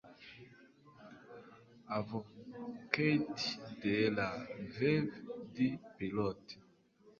avocat de la veuve du pilote